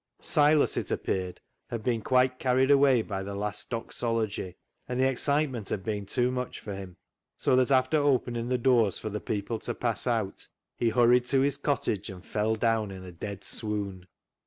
Silas, it appeared, had been quite carried away by the last Doxology, and the excitement had been too much for him, so that, after opening the doors for the people to pass out, he hurried to his cottage and fell down in a dead swoon.